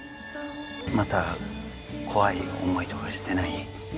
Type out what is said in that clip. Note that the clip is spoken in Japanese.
また怖い思いとかしてない？